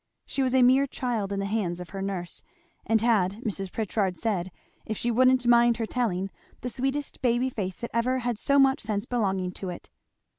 She was a mere child in the hands of her nurse, and had, Mrs. Pritchard said, "if she wouldn't mind her telling, the sweetest baby face that ever had so much sense belonging to it."